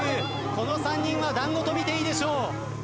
この３人はだんごと見ていいでしょう。